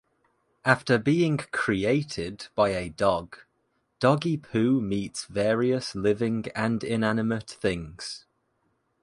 After being "created" by a dog, Doggy Poo meets various living and inanimate things.